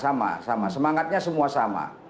sama sama semangatnya semua sama